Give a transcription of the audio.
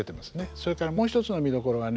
それからもう一つの見どころがね